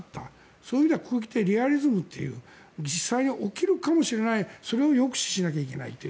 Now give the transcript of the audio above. そういう意味ではリアリズムという実際に起きるかもしれない抑止しなきゃいけないという。